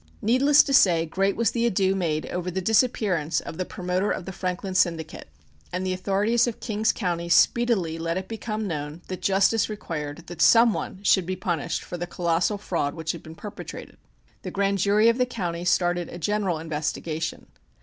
Needless to say great was the ado made over the disappearance of the promoter of the Franklin Syndicate, and the authorities of King's County speedily let it become known that justice required that some one should be punished for the colossal fraud which had been perpetrated. The grand jury of the county started a general investigation.